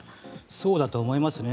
そうだと思いますね。